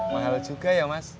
mahal juga ya mas